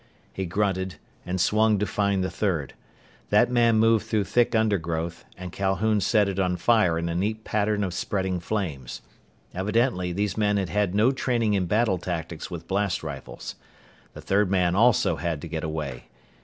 He grunted and swung to find the third. That man moved through thick undergrowth, and Calhoun set it on fire in a neat pattern of spreading flames. Evidently, these men had had no training in battle tactics with blast rifles. The third man also had to get away.